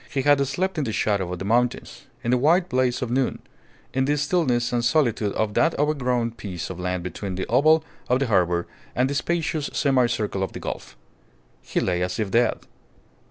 He had slept in the shadow of the mountains, in the white blaze of noon, in the stillness and solitude of that overgrown piece of land between the oval of the harbour and the spacious semi circle of the gulf. He lay as if dead.